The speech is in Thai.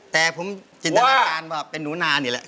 แต่ผมจินตนาจารย์เป็นหนุนานอยู่แล้วหว่ะ